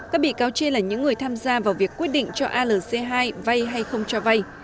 các bị cáo trên là những người tham gia vào việc quyết định cho alc hai vay hay không cho vay